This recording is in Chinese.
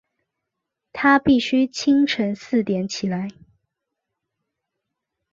她必须清晨四点起来